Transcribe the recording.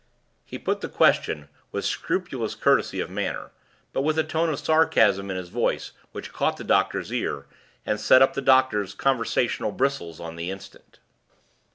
He put the question with scrupulous courtesy of manner, but with a tone of sarcasm in his voice which caught the doctor's ear, and set up the doctor's controversial bristles on the instant.